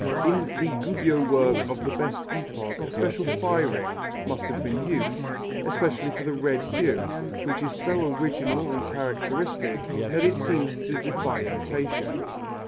In the Gubbio work of the best epoch a special firing must have been used, especially for the red hue, which is so original and characteristic that it seems to defy imitation.